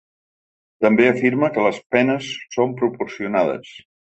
També afirma que les penes són proporcionades.